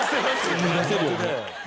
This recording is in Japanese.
生み出せるよね。